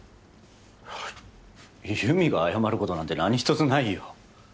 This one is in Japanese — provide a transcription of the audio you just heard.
優美が謝る事なんて何一つないよ。